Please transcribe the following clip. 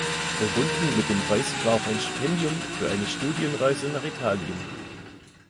Verbunden mit dem Preis war auch ein Stipendium für eine Studienreise nach Italien.